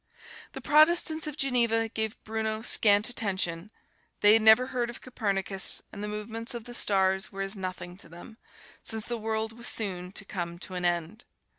The Protestants of Geneva gave Bruno scant attention; they had never heard of Copernicus, and the movements of the stars were as nothing to them, since the world was soon to come to an end.